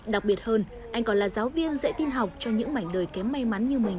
đặc biệt hơn anh còn là giáo viên dạy tin học cho những mảnh đời kém may mắn như mình